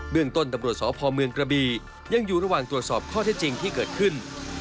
เรื่องต้นตำรวจสพเมืองกระบียังอยู่ระหว่างตรวจสอบข้อเท็จจริงที่เกิดขึ้น